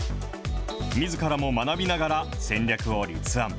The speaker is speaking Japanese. みずからも学びながら戦略を立案。